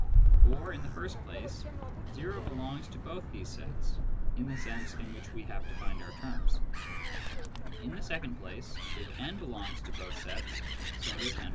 For, in the first place, o belongs to both these sets (in the sense in which we have defined our terms) ; in the second place, if n belongs to both sets, so does n+i.